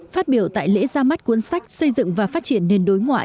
phát biểu tại lễ ra mắt cuốn sách xây dựng và phát triển nền đối ngoại